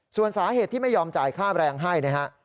ส่วนสาเหตุที่ไม่ยอมจ่ายค่าแรงให้นะฮะ